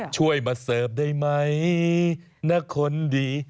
ช่วยมาเสิร์ฟได้ไหมนะคนดี